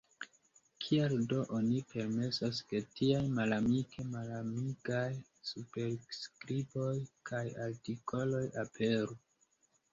Kial do oni permesas, ke tiaj malamike malamigaj superskriboj kaj artikoloj aperu?